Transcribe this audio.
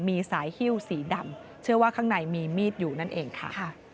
มีสายฮิ้วสีดำเชื่อว่าข้างในมีมีดอยู่นั่นเองค่ะ